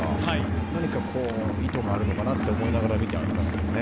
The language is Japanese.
何か意図があるのかなと思いながら見ているんですけれど。